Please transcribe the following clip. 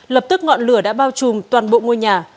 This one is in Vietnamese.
lập tức ngọn lửa đã bao trùm toàn bộ ngôi nhà